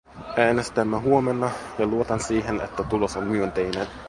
Äänestämme huomenna, ja luotan siihen, että tulos on myönteinen.